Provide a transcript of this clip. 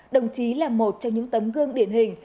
đồng chí là một trong những tấm gương điển hình